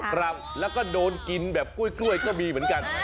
กรัมแล้วก็โดนกินแบบกล้วยก็มีเหมือนกัน